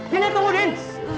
dina tunggu din